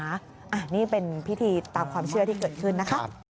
อันนี้เป็นพิธีตามความเชื่อที่เกิดขึ้นนะคะ